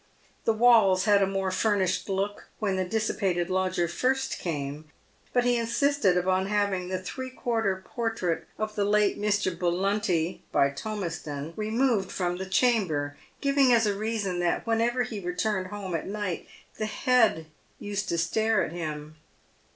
The walls had a more furnished look when the dissipated lodger first came, but he insisted upon having the three quarter portrait of the late Mr. Bullunty, by Tomeston, removed from the chamber, giving as a reason, that whenever he returned home at night the head used to stare at him.